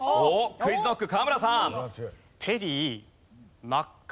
ＱｕｉｚＫｎｏｃｋ河村さん。